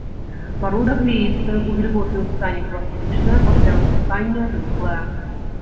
Парода глеістая, у вільготным стане пластычная, пасля высыхання рыхлая.